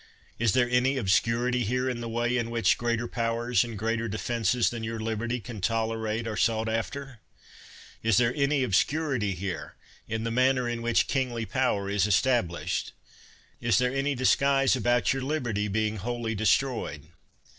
Is there any obscu rity here in the way in which greater powers and greater defenses than your liberty can tolerate are sought after? Is there any obscurity here in the manner in which kingly power is established 1 Is there any disguise about your liberty being 83 THE WORLD'S FAMOUS ORATIONS wholly destroyed?